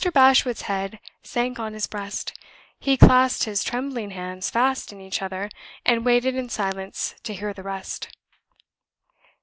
Bashwood's head sank on his breast. He clasped his trembling hands fast in each other, and waited in silence to hear the rest.